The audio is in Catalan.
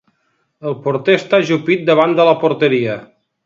El porter està ajupit davant de la porteria.